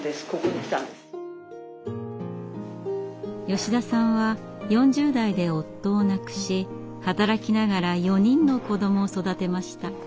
吉田さんは４０代で夫を亡くし働きながら４人の子どもを育てました。